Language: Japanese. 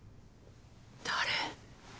誰？